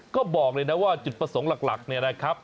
ก็บอกเลยนะว่าจุดประสงค์หลักเนี่ยนะครับ